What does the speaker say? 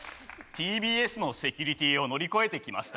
ＴＢＳのセキュリティーを乗り越えてきました